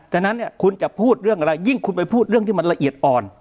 ฉะนั้นเนี่ยคุณจะพูดเรื่องอะไรยิ่งคุณไปพูดเรื่องที่มันละเอียดอ่อน